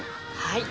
はい。